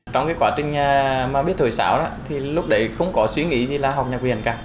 trong cái quá trình mà biết thổi sáo thì lúc đấy không có suy nghĩ gì là học nhạc viện cả